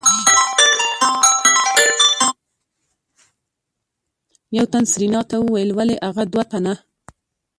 يو تن سېرېنا ته وويل ولې اغه دوه تنه.